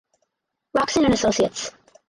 Locsin and Associates.